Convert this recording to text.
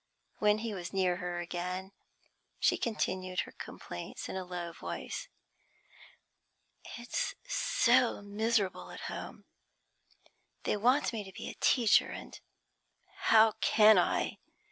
When he was near her again, she continued her complaints in a low voice. 'It's so miserable at home. They want me to be a teacher, and how can I?